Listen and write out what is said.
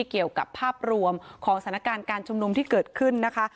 เกี่ยวกับภาพรวมของสถานการณ์การชุมนุมที่เกิดขึ้นนะคะ